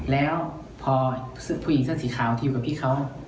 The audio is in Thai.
แล้วพอผู้หญิงเสื้อสีขาวทิวกับพี่เขา